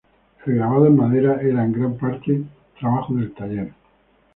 El grabado en madera era en gran parte trabajo del taller.